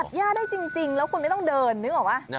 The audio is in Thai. ย่าได้จริงแล้วคุณไม่ต้องเดินนึกออกป่ะ